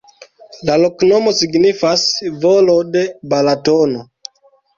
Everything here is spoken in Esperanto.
La loknomo signifas: volo de Balatono.